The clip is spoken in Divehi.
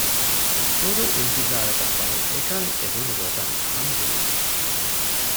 ކުރު އިންތިޒާރަކަށް ފަހު އެކަން އެދުނު ގޮތަށް ހަމަޖެހިއްޖެ